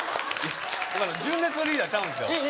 純烈のリーダーちゃうんですよ